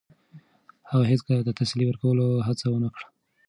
هغې هیڅکله د تسلي ورکولو هڅه ونه کړه.